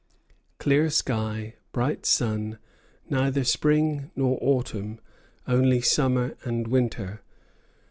Clear sky, bright sun; neither spring nor autumn, only summer and winter.